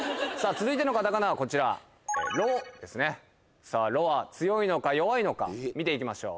続いてのカタカナはこちらロですねさあロは強いのか弱いのか見ていきましょう